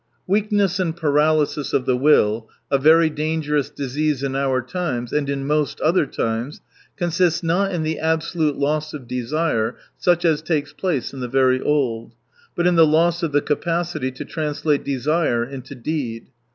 — Weakness and paralysis of the will, a very dangerous disease in our times, and in most other times, consists not in the absolute loss of desire, such as takes place in the very old, but in the loss of the capacity to translate desire into deed.